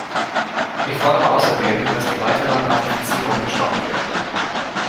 Ich fordere außerdem, dass die weitere Ratifizierung gestoppt wird.